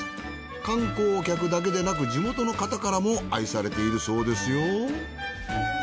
観光客だけでなく地元の方からも愛されているそうですよ。